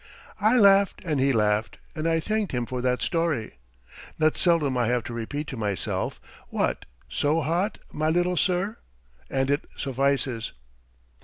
'" I laughed and he laughed, and I thanked him for that story. Not seldom I have to repeat to myself, "What, so hot, my little sir?" and it suffices.